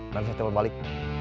nanti saya tebak balik